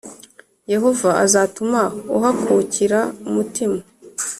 Yehova azatuma uhakukira umutima,